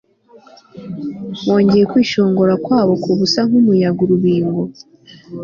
Wongeyeho kwishongora kwabo kubusa nkumuyaga urubingo